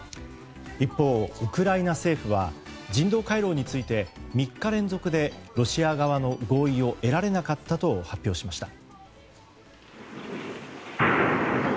一方、ウクライナ政府は人道回廊について３日連続でロシア側の合意を得られなかったと発表しました。